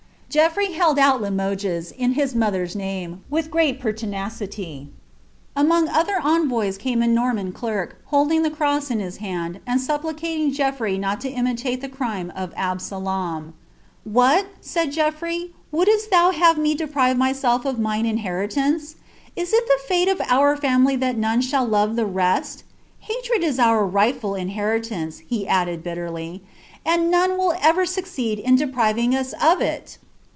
i 'lTrey held out Limoges, in )iis mother^s name, with great pertiiia Anioiig other envoys came a Noriuan clerk, holding tlie cross in • 'laiid, and supplicated Geaffrey not to imitate the crime of Absalom. "WhatT' said Geoffrey. " wouldst thou have me deprive myself of iiri>' inli«ntnn«e ? It i« the fate of our family that none shall love the tlUtiml is our rightful heritage," added he, bitterly, '■'■ and none will tceced in depriving us of it."